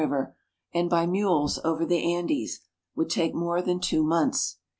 P A C I river and by mules over the Andes, would take more than two months.